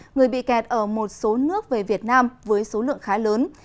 người bị kẹt ở một số nước về việt nam với số lượng khá lớn